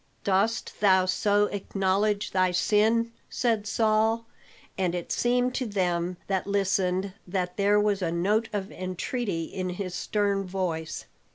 "Dost thou so acknowledge thy sin?" said Saul; and it seemed to them that listened that there was a note of entreaty in his stern voice.